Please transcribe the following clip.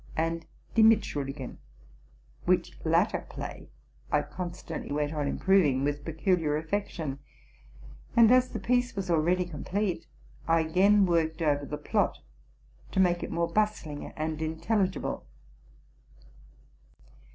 and '* Die Mitschuldigen,'' which latter play I con stantly went on improving with peculiar affection; and, as the piece was already complete, I again worked over the plot, to make it more bustling and intelligible.